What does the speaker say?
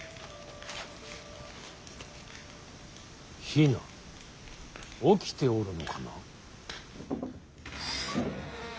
比奈起きておるのかな。